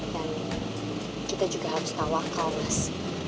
dan kita juga harus tawakal mas